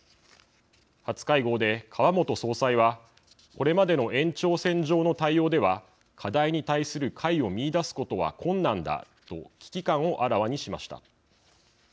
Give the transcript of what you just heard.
初会合で、川本総裁は「これまでの延長線上の対応では課題に対する解を見いだすことは困難だ」と、危機感をあらわにしました。